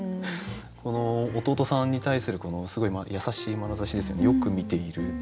この弟さんに対するすごい優しいまなざしですよねよく見ている。